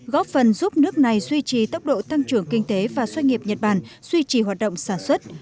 góp phần giúp nước này duy trì tốc độ tăng trưởng kinh tế và xoay nghiệp nhật bản duy trì hoạt động sản xuất